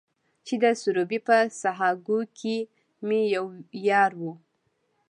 چې د سروبي په سهاکو کې مې يو يار و.